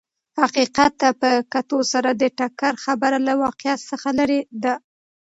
حقیقت ته په کتو سره د ټکر خبره له واقعیت څخه لرې ده.